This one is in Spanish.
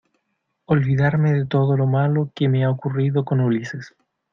olvidarme de todo lo malo que me ha ocurrido con Ulises